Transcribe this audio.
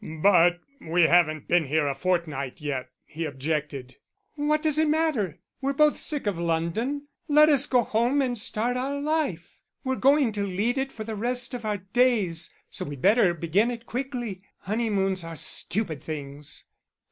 "But we haven't been here a fortnight yet," he objected. "What does it matter? We're both sick of London; let us go home and start our life. We're going to lead it for the rest of our days, so we'd better begin it quickly. Honeymoons are stupid things."